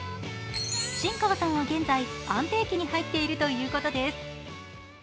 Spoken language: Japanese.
新川さんは現在、安定期に入っているということです。